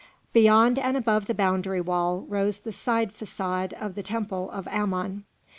Beyond and above the boundary wall rose the side façade of the temple of Ammon.